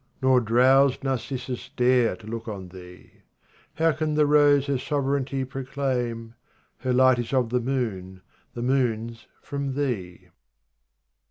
Nor drowsed Narcissus dare to look on Thee : How can the rose her sovereignty proclaim ? Her light is of the moon, the moon 's from Thee.